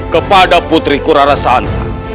kepada putriku rara santang